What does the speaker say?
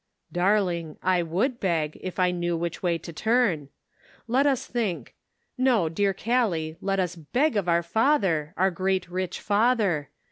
" Darling, I would beg, if I knew which way to turn. Let us think ; no, dear Gallic, let us beg of our Father, our great rich Father.